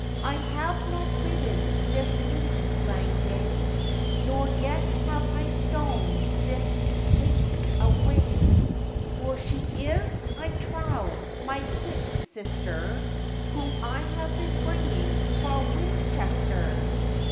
'I have not ridden this lee lang day, Nor yet have I stown this lady away; 'For she is, I trow, my sick sister, Whom I have been bringing fra' Winchester.